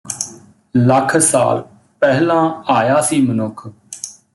ਲੱਖ ਸਾਲ ਪਹਿਲਾਂ ਆਇਆ ਸੀ ਮਨੁੱਖ